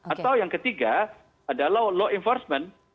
atau yang ketiga adalah law enforcement